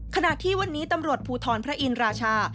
ขณะที่วันนี้ตำรวจภูทรพระอินราชา